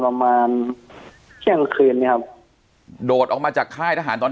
ประมาณเที่ยงคืนเนี้ยครับโดดออกมาจากค่ายทหารตอน